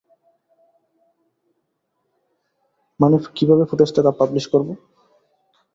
মানে কীভাবে ফুটেজটা পাবলিশ করবো?